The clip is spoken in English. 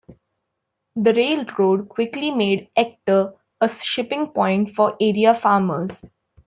The railroad quickly made Ector a shipping point for area farmers.